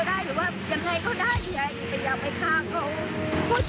สวัสดีครับ